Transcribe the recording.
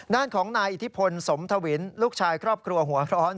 ด้านของนายอิทธิพลสมทวินลูกชายครอบครัวหัวร้อน